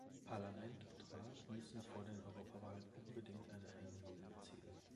Parlament und Rat müssen vor den Europawahlen unbedingt eine Einigung erzielen.